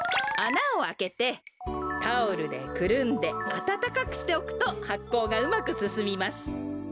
あなをあけてタオルでくるんであたたかくしておくとはっこうがうまくすすみます。